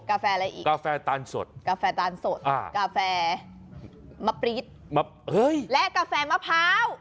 แฟอะไรอีกกาแฟตานสดกาแฟตานสดกาแฟมะปรี๊ดและกาแฟมะพร้าว